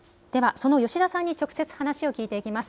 その吉田さんに直接話を聞いていきます。